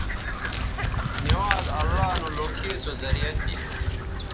نوانز اللہ نو لوکھے سو زریعہ تھی